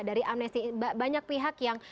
dari amnesti banyak pihak yang